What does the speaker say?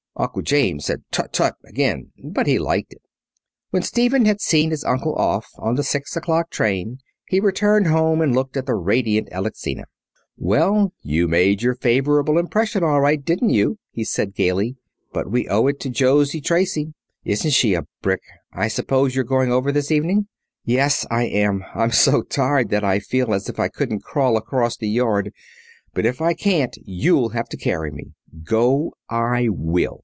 Uncle James said, "Tut, tut," again, but he liked it. When Stephen had seen his uncle off on the six o'clock train he returned home and looked at the radiant Alexina. "Well, you made your favourable impression, all right, didn't you?" he said gaily. "But we owe it to Josie Tracy. Isn't she a brick? I suppose you're going over this evening?" "Yes, I am. I'm so tired that I feel as if I couldn't crawl across the yard, but if I can't you'll have to carry me. Go I will.